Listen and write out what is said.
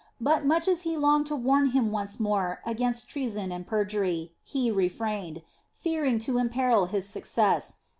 But much as he longed to warn him once more against treason and perjury, he refrained, fearing to imperil his success.